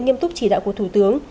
nghiêm túc chỉ đạo của thủ tướng